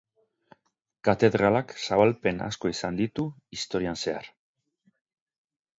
Katedralak zabalpen asko izan ditu historian zehar.